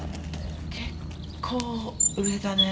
結構上だね。